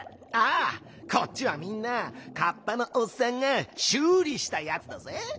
ああこっちはみんなカッパのおっさんがしゅうりしたやつだぜ。